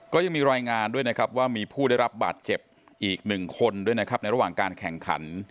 ก็ยังมีรายงานด้วยนะครับว่ามีผู้ได้รับบาดเจ็บอีกหนึ่งคนด้วยนะครับในระหว่างการแข่งขัน